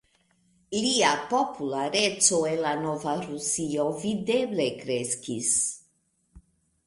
Lia populareco en la nova Rusio videble kreskis.